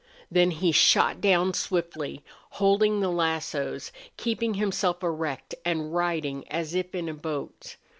Then he shot down swiftly, holding the lassos, keeping himself erect, and riding as if in a boat.